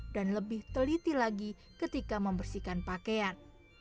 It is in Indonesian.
dan lebih teliti lagi ketika membersihkan pakaian